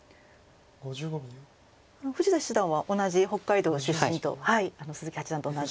富士田七段は同じ北海道出身と鈴木八段と同じ。